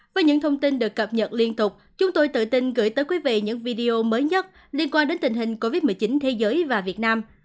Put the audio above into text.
với những thông tin được cập nhật liên tục chúng tôi tự tin gửi tới quý vị những video mới nhất liên quan đến tình hình covid một mươi chín thế giới và việt nam